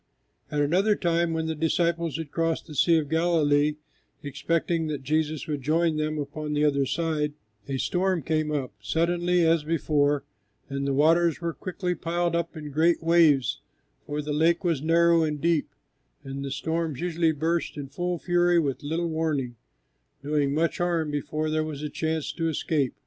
At another time when the disciples had crossed the Sea of Galilee, expecting that Jesus would join them upon the other side, a storm came up, suddenly as before, and the waters were quickly piled up in great waves; for the lake was narrow and deep, and the storms usually burst in full fury with little warning, doing much harm before there was a chance to escape.